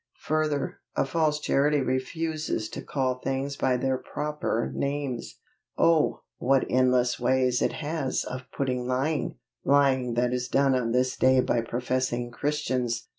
Further, a false Charity refuses to call things by their proper names! Oh! what endless ways it has of putting lying! lying that is done on this day by professing Christians!